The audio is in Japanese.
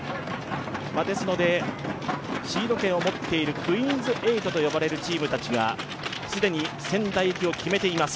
ですのでシード権を持っているクイーンズ８と呼ばれるチームが既に仙台行きを決めています。